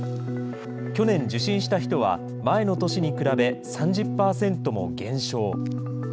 去年、受診した人は、前の年に比べ、３０％も減少。